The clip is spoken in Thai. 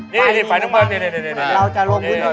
นี่ฟิร์ชนุกเมิร์ดนี่